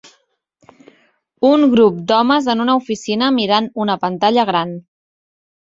Un grup d'homes en una oficina mirant una pantalla gran.